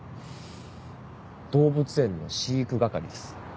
動物園の飼育係です。